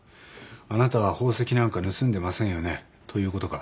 あなたは宝石なんか盗んでませんよね？ということか？